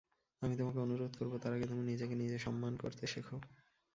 আমি তোমাকে অনুরোধ করব, তার আগে তুমি নিজেকে নিজে সম্মান করতে শেখ।